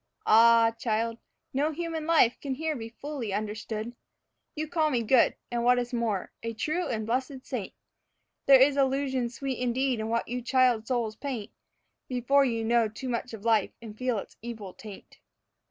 Ah, child, no human life can here be fully understood. You call me good, and what is more, a 'true and blessed saint.' (There is illusion sweet indeed in what you child souls paint Before you know too much of life and feel its evil taint.)